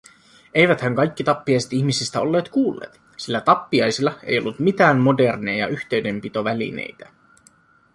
Eiväthän kaikki tappiaiset ihmisistä olleet kuulleet, sillä tappiaisilla ei ollut mitään moderneja yhteydenpitovälineitä.